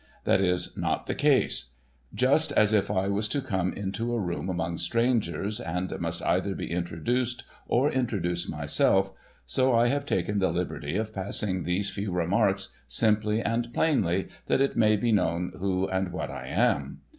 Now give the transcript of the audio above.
That is not the case. Just as if I was to come into a room among strangers, and must either be introduced or introduce myself, so I have taken the liberty of passing these few remarks, simply and plainly that it may be known who and what I am.